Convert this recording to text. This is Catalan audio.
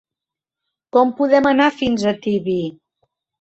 Com podem anar fins a Tibi?